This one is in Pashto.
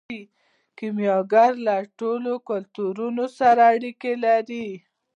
کیمیاګر له ټولو کلتورونو سره اړیکه لري.